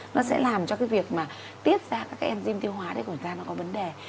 nó sẽ làm cho cái việc mà tiết ra các cái enzyme tiêu hóa đấy của chúng ta nó có vấn đề